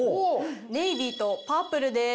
ネイビーとパープルです。